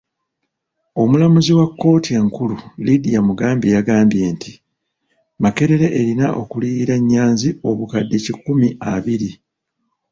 Omulamuzi wa kkooti enkulu Lydia Mugambe yagambye nti Makerere erina okuliyirira Nyanzi obukadde kikumi abiri.